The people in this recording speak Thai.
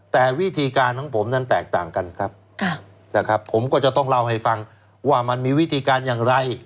แต่วิธีการของผมนั้นแตกต่างกันครับนะครับผมก็จะต้องเล่าให้ฟังว่ามันมีวิธีการอย่างไร